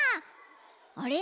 あれ？